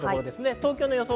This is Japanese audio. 東京の予想